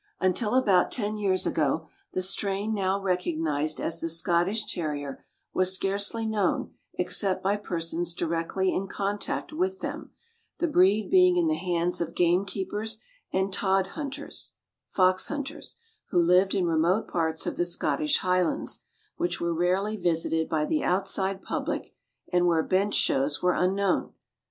Until about ten years ago, the strain no.w recognized as the Scottish Terrier was scarcely known except by persons directly in contact with them — the breed being in the hands of gamekeepers and tod hunters (fox hunters) who lived in remote parts of the Scottish Highlands, which were rarely visited by the outside public, and where bench shows were unknown.